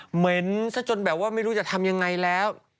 เหม็นซะจนแบบว่าไม่รู้จะทำยังไงแล้ว